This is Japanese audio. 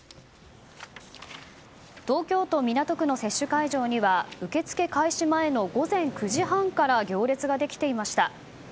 東京都港区の接種会場には受け付け開始前の午前９時半から行列ができていました。